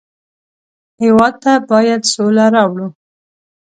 هېواد ته باید سوله راوړو